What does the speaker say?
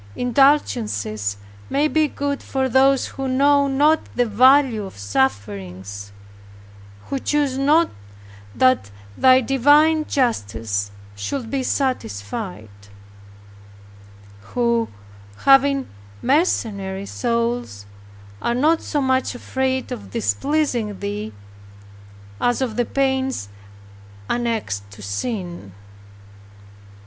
Indulgences may be good for those who know not the value of sufferings, who choose not that thy divine justice should be satisfied; who, having mercenary souls, are not so much afraid of displeasing Thee, as of the pains annexed to sin."